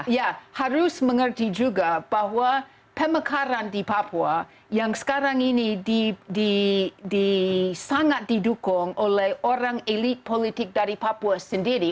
ya harus mengerti juga bahwa pemekaran di papua yang sekarang ini sangat didukung oleh orang elit politik dari papua sendiri